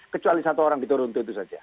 kecuali satu orang di toronto itu saja